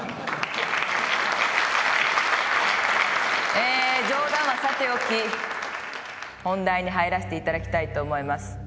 えー冗談はさておき本題に入らせていただきたいと思います。